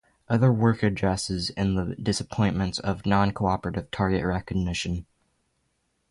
Other work addresses the disappointments of Non-Cooperative Target Recognition.